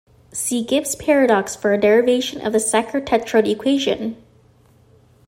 See Gibbs paradox for a derivation of the Sackur-Tetrode equation.